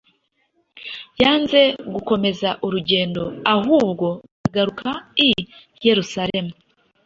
Yanze gukomeza urugendo ahubwo agaruka i Yerusalemu.